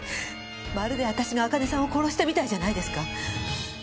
まるで私が朱音さんを殺したみたいじゃないですか。